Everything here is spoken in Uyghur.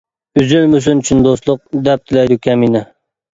ئۈزۈلمىسۇن چىن دوستلۇق، دەپ تىلەيدۇ كەمىنە.